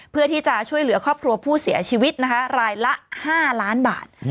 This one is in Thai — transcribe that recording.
เพื่อที่จะช่วยเหลือครอบครัวผู้เสียชีวิตนะคะรายละ๕ล้านบาท